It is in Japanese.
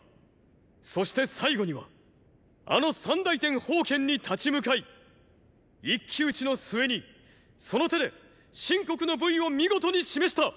そして最後にはあの三大天煖に立ち向かい一騎打ちの末にその手で秦国の武威を見事に示した！